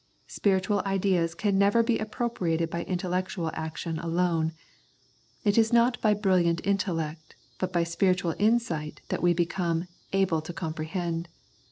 Spiritual ideas can never be appropriated by intellectual action alone. It is not by brilliant intellect but by spiritual insight that we become " able to comprehend."